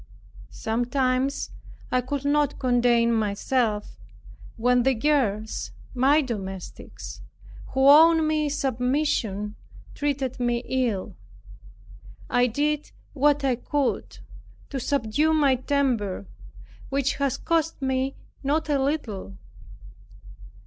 Sometimes I could not contain myself, when the girls, my domestics, who owed me submission, treated me ill. I did what I could to subdue my temper which has cost me not a little.